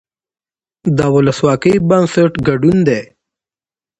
د ولسواکۍ بنسټ ګډون دی